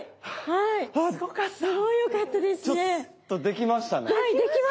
はいできましたね。